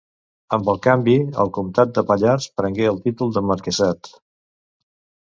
Amb el canvi, el comtat de Pallars prengué el títol de marquesat.